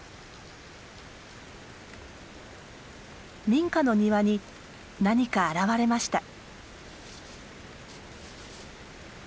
民家の庭に何か現れました。